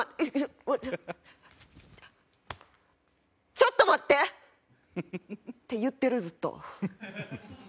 ちょっと待って！って言ってるずっと。